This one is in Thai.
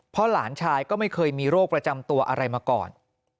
เพราะหลานชายก็ไม่เคยมีโรคประจำตัวอะไรมาก่อน